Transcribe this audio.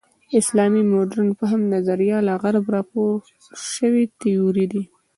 اسلامي مډرن فهم نظریه له غرب راپور شوې تیوري ده.